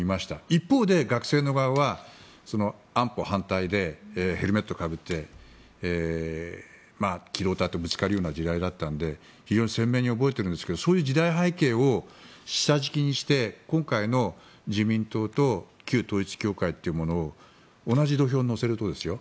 一方で学生の場合は安保反対でヘルメットをかぶって機動隊とぶつかるような時代だったので非常に鮮明に覚えているんですがそういう時代背景を下敷きにして今回の自民党と旧統一教会というものを同じ土俵に乗せるとですよ